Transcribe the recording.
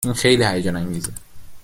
این خیلی هیجان انگیزه